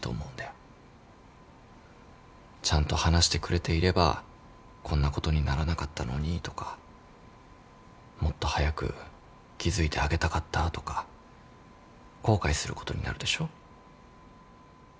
ちゃんと話してくれていればこんなことにならなかったのにとかもっと早く気付いてあげたかったとか後悔することになるでしょ？